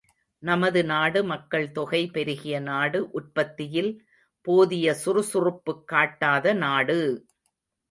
நமது நாடு மக்கள்தொகை பெருகிய நாடு உற்பத்தியில் போதிய சுறுசுறுப்புக்காட்டாத நாடு!